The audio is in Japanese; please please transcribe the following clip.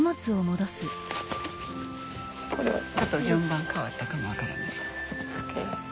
ちょっと順番かわったかも分からない。